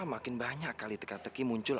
makin banyak kali teka teki muncul